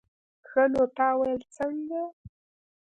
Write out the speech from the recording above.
ښه نو تا ويل څنگه.